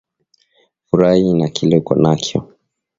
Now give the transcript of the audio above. Furayi na kile uko nakyo